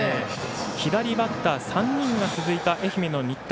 左バッター３人が続いた愛媛の新田。